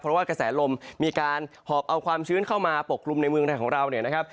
เพราะว่ากระแสลมีการเอาความชื้นเข้ามาปกรุงในเมืองของเรา